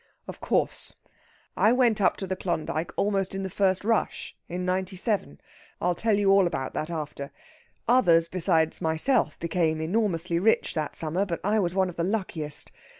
"Of course! I went up to the Klondyke almost in the first rush, in '97. I'll tell you all about that after. Others besides myself became enormously rich that summer, but I was one of the luckiest.